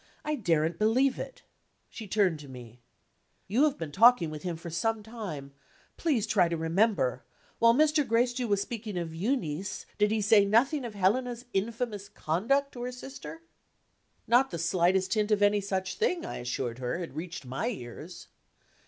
"I daren't believe it!" She turned to me. "You have been talking with him for some time. Please try to remember. While Mr. Gracedieu was speaking of Euneece, did he say nothing of Helena's infamous conduct to her sister?" Not the slightest hint of any such thing, I assured her, had reached my ears.